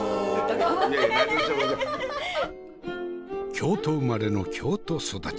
京都生まれの京都育ち。